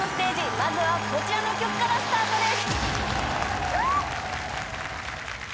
まずはこちらの曲からスタートです。